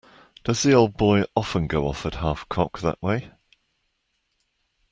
Does the old boy often go off at half-cock that way.